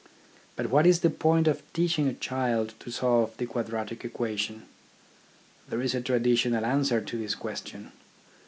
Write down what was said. But what is the point of teaching a child to solve a quadratic equation ? There is a traditional answer to this question.